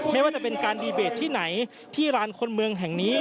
ไม่ว่าจะเป็นการดีเบตที่ไหนที่ร้านคนเมืองแห่งนี้